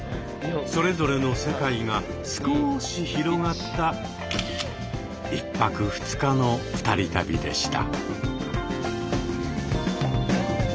それぞれの世界が少し広がった１泊２日の二人旅でした。